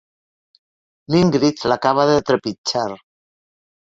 L'Ingrid l'acaba de trepitjar.